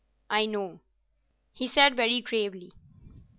"I know," he said very gravely.